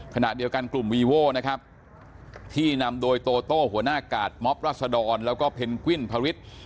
ขณะเดียวกันกลุ่มวีโว้ที่นำโดยโตโต้หัวหน้ากาลมรัศดรและเพ็นกวิ้นพวิศ